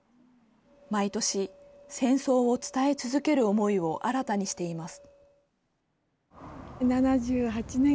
毎年、戦争を伝え続ける思いを新たにしています。